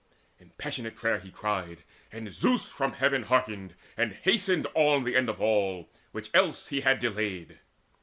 In passionate prayer he cried; and Zeus from heaven Hearkened, and hasted on the end of all, Which else he had delayed.